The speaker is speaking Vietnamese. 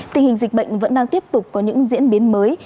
tình hình dịch bệnh vẫn đang tiếp tục có những diễn biến mới